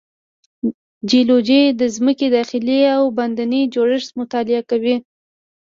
جیولوجی د ځمکې داخلي او باندینی جوړښت مطالعه کوي.